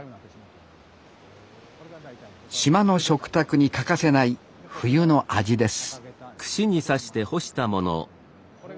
島の食卓に欠かせない冬の味です